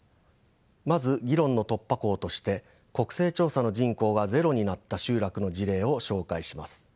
まず議論の突破口として国勢調査の人口がゼロになった集落の事例を紹介します。